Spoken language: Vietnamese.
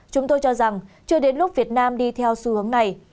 chúng tôi cho rằng chưa đến lúc việt nam đi theo xu hướng này